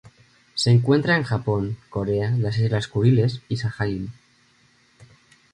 Se encuentra en el Japón, Corea, las Islas Kuriles y Sajalín.